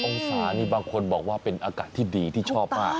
องศานี่บางคนบอกว่าเป็นอากาศที่ดีที่ชอบมาก